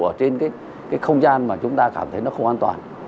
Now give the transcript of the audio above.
ở trên cái không gian mà chúng ta cảm thấy nó không an toàn